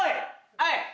はい。